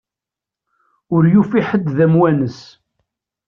Ur yufi ḥedd d amwanes.